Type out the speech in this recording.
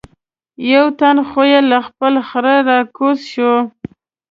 یو تن خو یې له خپل خره را کوز شو.